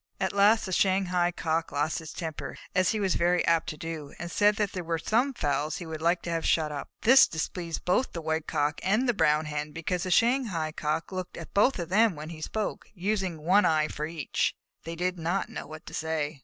At last the Shanghai Cock lost his temper, as he was very apt to do, and said that there were some fowls he would like to have shut up. This displeased both the White Cock and the Brown Hen, because the Shanghai Cock had looked at both of them when he spoke, using one eye for each, and they did not know what to say.